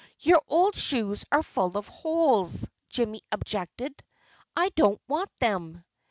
"Your old shoes are full of holes," Jimmy objected. "I don't want them."